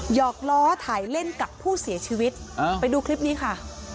หอกล้อถ่ายเล่นกับผู้เสียชีวิตไปดูคลิปนี้ค่ะ